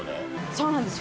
そうなんです